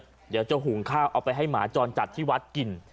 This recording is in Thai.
เดี๋ยวจะหุงข้าวเอาไปให้หมาจรจัดที่วัดกิน